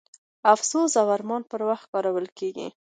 د افسوس او ارمان پر وخت کارول کیږي.